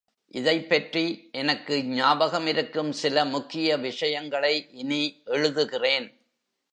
இதைப்பற்றி எனக்கு ஞாபகம் இருக்கும் சில முக்கிய விஷயங்களை இனி எழுதுகிறேன்.